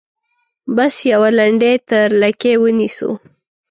بس یوه لنډۍ تر لکۍ ونیسو.